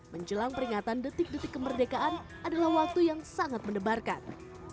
menjelang peringatan detik detik kemerdekaan adalah waktu yang sangat mendebarkan